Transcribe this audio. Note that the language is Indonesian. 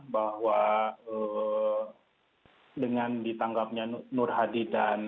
bahwa dengan ditangkapnya nur hadi dan